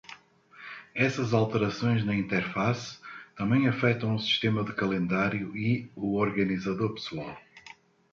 Essas alterações na interface também afetam o sistema de calendário e o organizador pessoal.